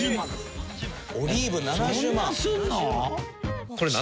オリーブ７０万！？